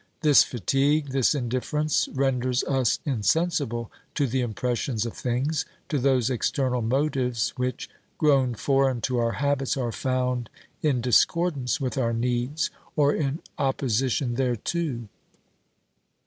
This fatigue, this indifference, renders us insensible to the impressions of things, to those external motives which, grown foreign to our habits, are found in discordance with our needs, or in opposition thereto.